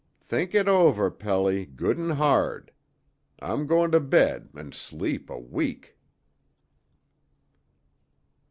Think it over, Pelly, good 'n' hard. I'm going to bed an' sleep a week!"